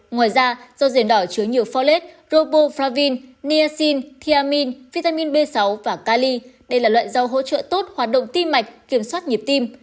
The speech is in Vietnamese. ngoài ra rau rền đỏ chứa nhiều folate roboflavin niacin thiamin vitamin b sáu và cali đây là loại rau hỗ trợ tốt hoạt động tim mạch kiểm soát nhiệm tim